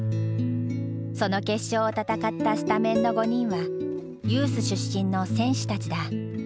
その決勝を戦ったスタメンの５人はユース出身の選手たちだ。